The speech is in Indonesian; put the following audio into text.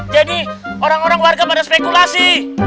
jadi orang orang warga pada spekulasi